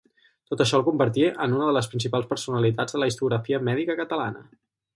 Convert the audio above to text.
Tot això el convertí en una de les principals personalitats de la historiografia mèdica catalana.